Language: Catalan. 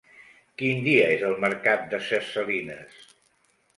Quin dia és el mercat de Ses Salines?